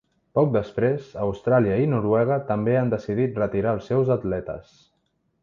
Poc després, Austràlia i Noruega també han decidit retirar els seus atletes.